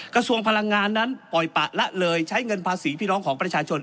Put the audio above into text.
กระทรวงพลังงานนั้นปล่อยปะละเลยใช้เงินภาษีพี่น้องของประชาชน